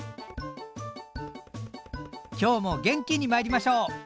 今日も元気にまいりましょう！